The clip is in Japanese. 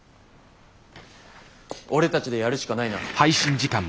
俺たちでやるしかないな。